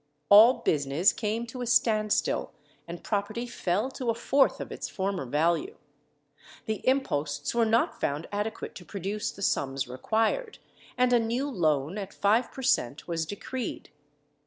All business came to a standstill, and property fell to a fourth of its former value. The imposts were not found adequate to produce the sums required, and a new loan, at five per cent, was decreed.